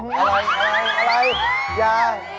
อะไรอย่า